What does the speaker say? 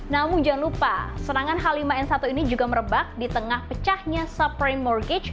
namun jangan lupa serangan h lima n satu ini juga merebak di tengah pecahnya supreme morgage